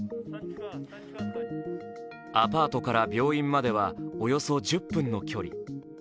アパートから病院まではおよそ１０分の距離。